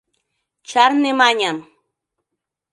— Чарне, маньым!